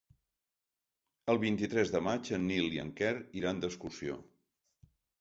El vint-i-tres de maig en Nil i en Quer iran d'excursió.